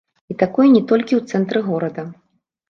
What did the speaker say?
І такое не толькі ў цэнтры горада.